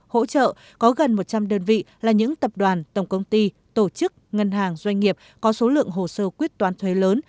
hỗ trợ có gần một trăm linh đơn vị là những tập đoàn tổng công ty tổ chức ngân hàng doanh nghiệp có số lượng hồ sơ quyết toán thuế lớn